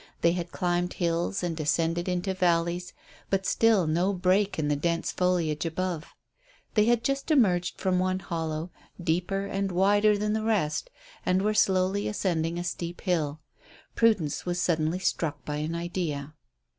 They had climbed hills and descended into valleys, but still no break in the dense foliage above. They had just emerged from one hollow, deeper and wider than the rest, and were slowly ascending a steep hill. Prudence was suddenly struck by an idea.